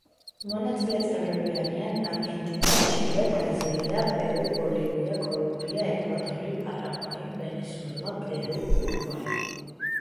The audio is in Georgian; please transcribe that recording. მონაწილე წევრები არიან არგენტინა, ჩილე, ბრაზილია, პერუ, ბოლივია, კოლუმბია, ეკვადორი, პარაგვაი, ვენესუელა, პერუ, ურუგვაი.